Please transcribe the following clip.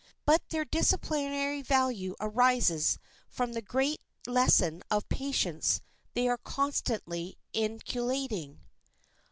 But their disciplinary value arises from the great lesson of patience they are constantly inculcating.